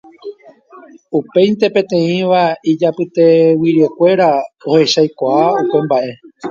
Upéinte peteĩva ijapyteguikuéra ohechakuaa upe mba'e.